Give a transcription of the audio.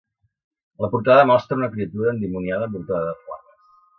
La portada mostra una criatura endimoniada envoltada de flames.